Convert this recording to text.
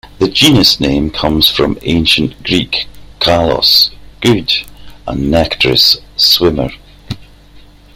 The genus name comes from Ancient Greek "kalos", "good" and "nectris", "swimmer".